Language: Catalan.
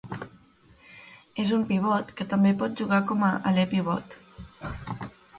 És un pivot, que també pot jugar com a Aler pivot.